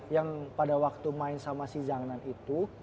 yang pada waktu main sama si jangan itu